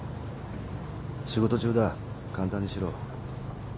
仕事中だ簡単にしろ。